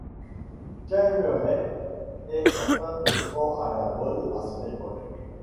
Kaemmerer est un peintre fort à la mode à son époque.